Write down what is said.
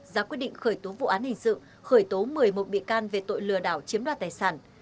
ra quyết định khởi tố vụ án hình sự khởi tố một mươi một bị can về tội lừa đảo chiếm đoạt tài sản